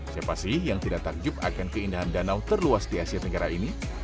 siapa sih yang tidak takjub akan keindahan danau terluas di asia tenggara ini